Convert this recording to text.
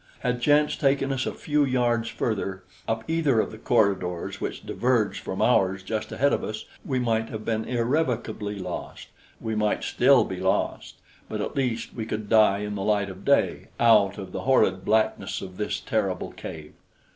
Had chance taken us a few yards further, up either of the corridors which diverged from ours just ahead of us, we might have been irrevocably lost; we might still be lost; but at least we could die in the light of day, out of the horrid blackness of this terrible cave.